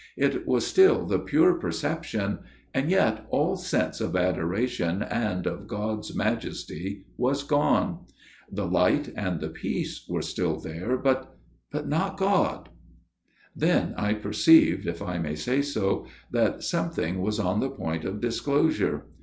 It was still the pure perception, and yet all sense of adoration and of God's Majesty was gone. The light and the peace were there still, but but not God. ..." Then I perceived, if I may say so, that some thing was on the point of disclosure.